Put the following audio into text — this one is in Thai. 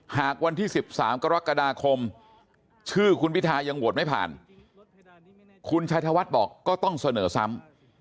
หากวันที่๑๓กรกฎาคมชื่อคุณพิทายังโหวตไม่ผ่านคุณชัยธวัฒน์บอกก็ต้องเสนอซ้ำ